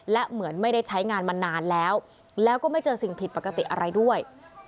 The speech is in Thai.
และเหมือนไม่ได้ใช้งานมานานแล้วแล้วก็ไม่เจอสิ่งผิดปกติอะไรด้วย